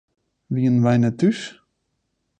Wienen wy net thús?